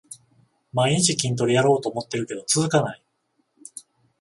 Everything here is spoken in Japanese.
毎日筋トレやろうと思ってるけど続かない